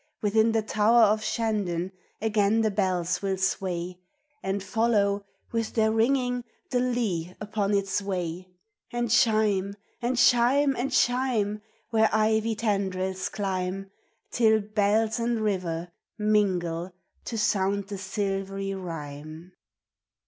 Within the tower of Shandon again the bells will sway, And follow, with their ringing, the Lee upon its way, And chime and chime and chime, Where ivy tendrils climb, Till bells and river mingle to sound the silvery rhyme.